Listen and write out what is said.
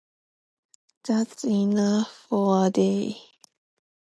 That’s enough for a day.